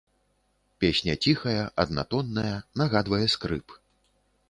Песня ціхая, аднатонная, нагадвае скрып.